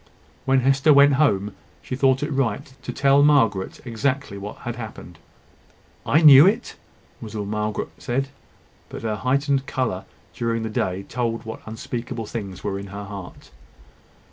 When Hester went home, she thought it right to tell Margaret exactly what had happened. "I knew it?" was all that Margaret said; but her heightened colour during the day told what unspeakable things were in her heart.